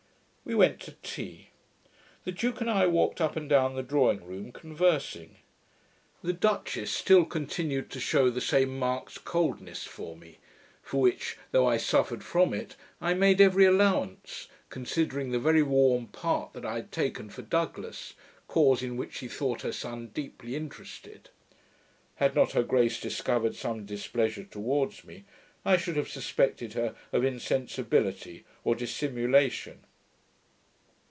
We went to tea. The duke and I walked up and down the drawing room, conversing. The duchess still continued to shew the same marked coldness for me; for which, though I suffered from it, I made every allowance, considering the very warm part that I had taken for Douglas, cause in which she thought her son deeply interested. Had not her grace discovered some displeasure towards me, I should have suspected her of insensibility or dissimulation.